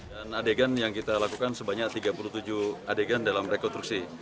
dan adegan yang kita lakukan sebanyak tiga puluh tujuh adegan dalam rekonstruksi